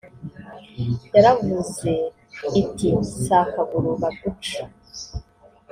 yaravuze iti si akaguru baguca